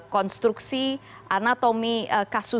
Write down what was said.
konstruksi anatomi kasus yang berlangsung saat ini